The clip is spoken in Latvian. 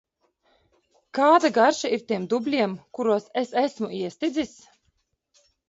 Kāda garša ir tiem dubļiem, kuros es esmu iestidzis?